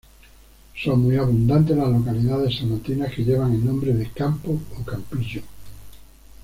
Son muy abundantes las localidades salmantinas que llevan el nombre de Campo o Campillo.